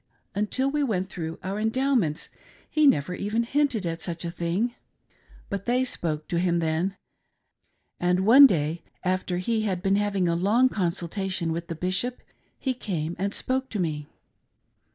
Until wre went through our Endowments, he never even hinted at such a thing. But they spoke to him then ; and one day after he had been having a long consultation with the Bishof^ GETTING USED TO IT. 3g7 he came and spoke to me.